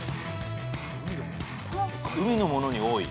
海のものに多い。